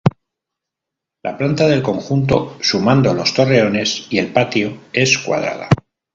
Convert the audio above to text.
La planta del conjunto, sumando los torreones y el patio, es cuadrada.